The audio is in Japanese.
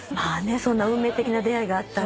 そんな運命的な出会いがあったら。